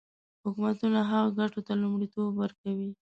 حکومتونه هغو ګټو ته لومړیتوب ورکوي.